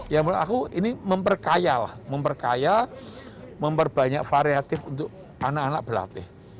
ya menurut aku ini memperkaya lah memperkaya memperbanyak variatif untuk anak anak berlatih